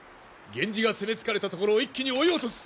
源氏が攻め疲れたところを一気に追い落とす！